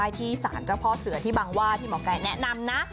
ที่สารเจ้าพ่อเสือที่บางว่าที่หมอไก่แนะนำนะ